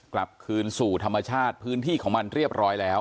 กลับคืนสู่ธรรมชาติพื้นที่ของมันเรียบร้อยแล้ว